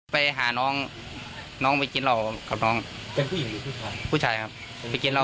ไปหาน้องน้องไปกินหรอกเขาน้องภูชายกลับไปกินรอแล้ว